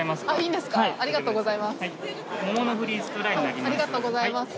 ありがとうございます。